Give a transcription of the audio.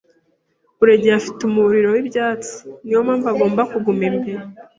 Buregeya afite umuriro wibyatsi. Niyo mpamvu agomba kuguma imbere.